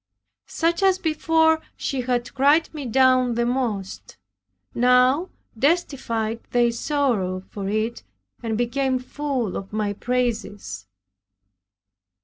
Such as before had cried me down the most, now testified their sorrow for it and became full of my praises.